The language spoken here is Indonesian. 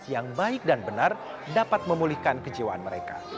yang baik dan benar dapat memulihkan kejiwaan mereka